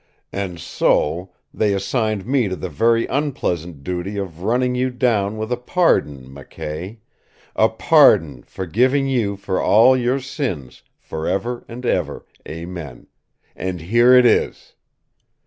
"And so they assigned me to the very unpleasant duty of running you down with a pardon, McKay a pardon forgiving you for all your sins, forever and ever, Amen. And here it is!"